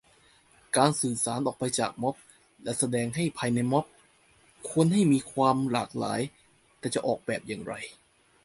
การสื่อสารออกไปจากม็อบ และแสดงออกภายในม็อบ ควรให้มีความหลากหลาย แต่จะออกแบบอย่างไร